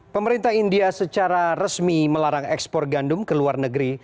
pemerintah india secara resmi melarang ekspor gandum ke luar negeri